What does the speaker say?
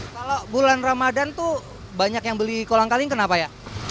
kalau bulan ramadhan tuh banyak yang beli kolang kaling kenapa ya